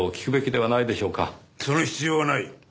その必要はない。